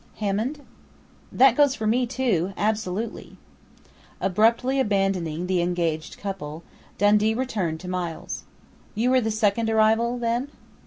"Hammond?" "That goes for me, too absolutely!" Abruptly abandoning the engaged couple, Dundee returned to Miles. "You were the second arrival, then?"